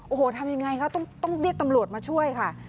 โอ้โหทำยังไงคะต้องเรียกตำรวจมาช่วยค่ะ